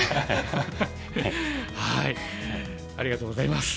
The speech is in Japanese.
ありがとうございます。